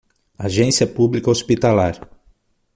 Agência pública hospitalar